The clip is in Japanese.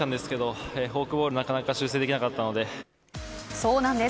そうなんです。